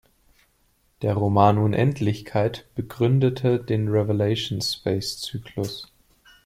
Der Roman "Unendlichkeit" begründete den Revelation-Space-Zyklus.